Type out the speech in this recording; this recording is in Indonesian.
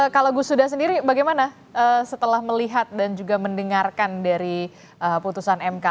kalau gus huda sendiri bagaimana setelah melihat dan juga mendengarkan dari putusan mk